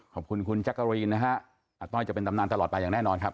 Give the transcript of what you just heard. ขอบคุณคุณแจ๊กกะรีนนะฮะอาต้อยจะเป็นตำนานตลอดไปอย่างแน่นอนครับ